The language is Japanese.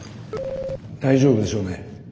大丈夫でしょうね？